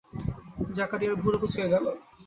জাকারিয়ার ভুরু কুঁচকে গেল।